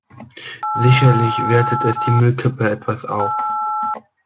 Sicherlich wertet es die Müllkippe etwas auf.